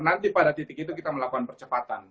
nanti pada titik itu kita melakukan percepatan